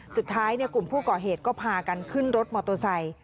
สุดท้ายกลุ่มผู้ก่อเหตุก็พากันขึ้นรถมอเตอร์ไซค์